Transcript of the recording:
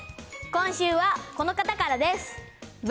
今週はこの方からです。